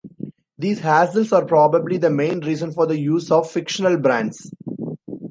These hassles are probably the main reason for the use of fictional brands.